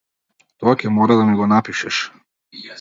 Тоа ќе мора да ми го напишеш.